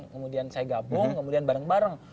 kemudian saya gabung kemudian bareng bareng